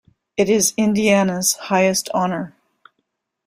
It is Indiana's highest honor.